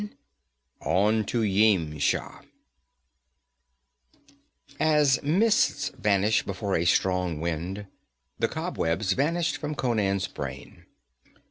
7 On to Yimsha As mists vanish before a strong wind, the cobwebs vanished from Conan's brain.